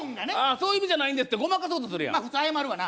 そういう意味じゃないんですってごまかそうとするやんまあ普通謝るわな